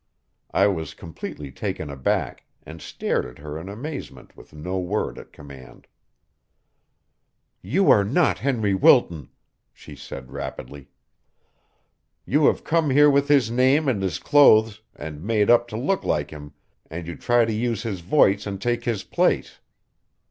I was completely taken aback, and stared at her in amazement with no word at command. "You are not Henry Wilton," she said rapidly. "You have come here with his name and his clothes, and made up to look like him, and you try to use his voice and take his place.